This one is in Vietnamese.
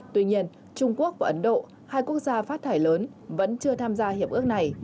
tuy nhiên trung quốc và ấn độ hai quốc gia phát thải lớn vẫn chưa tham gia hiệp ước này